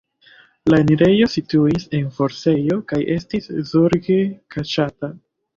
La enirejo situis en forcejo kaj estis zorge kaŝata.